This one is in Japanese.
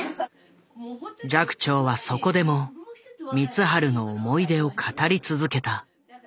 寂聴はそこでも光晴の思い出を語り続けた。